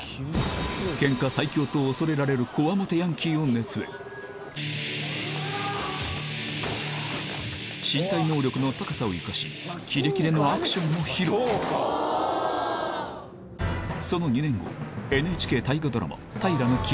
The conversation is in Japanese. けんか最強と恐れられるこわもてヤンキーを熱演身体能力の高さを生かしキレキレのアクションも披露その２年後ＮＨＫ大河ドラマ